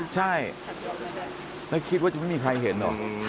ใช่แล้วคิดว่าจะไม่มีใครเห็นหรอก